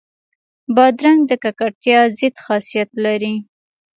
بادرنګ د ککړتیا ضد خاصیت لري.